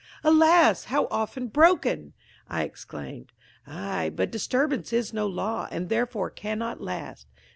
"Alas, how often broken!" I exclaimed. "Ay, but disturbance is no law, and therefore cannot last.